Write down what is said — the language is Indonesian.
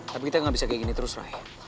tapi kita gak bisa kayak gini terus ray